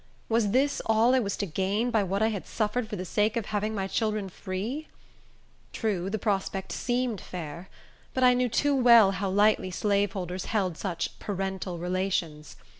Was this all I was to gain by what I had suffered for the sake of having my children free? True, the prospect seemed fair; but I knew too well how lightly slaveholders held such "parental relations."